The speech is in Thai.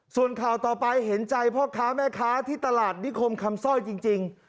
ส่วนข่าวต่อไปเห็นใจพ่อค้าแม่ค้าที่ตลาดนิคมคำซ่อยจริง